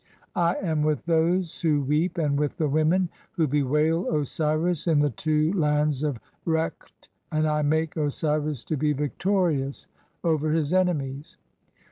"I am with those who weep and with the women who bewail "(16) Osiris in the two lands of Rekht, and I make Osiris to be "victorious over his enemies.